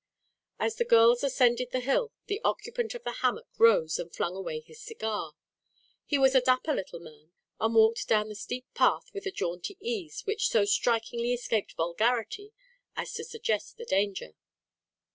As the girls ascended the hill, the occupant of the hammock rose and flung away his cigar. He was a dapper little man, and walked down the steep path with a jaunty ease which so strikingly escaped vulgarity as to suggest the danger.